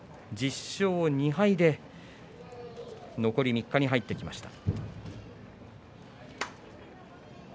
１０勝２敗で残り３日に入ってきました。